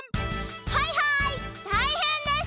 はいはいたいへんです！